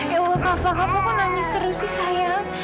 ya udah kava kakak kok nangis terus sih sayang